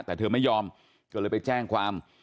แต่เธอไม่ยอมก็เลยไปแจ้งความ